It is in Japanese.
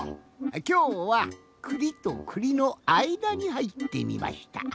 きょうはくりとくりのあいだにはいってみました。